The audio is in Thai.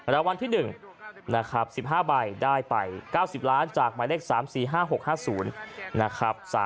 แล้ววันที่๑นะครับ๑๕ใบได้ไป๙๐ล้านจากหมายเลข๓๔๕๖๕๐